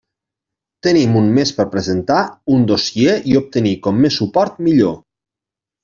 Tenim un mes per presentar un dossier i obtenir com més suport millor.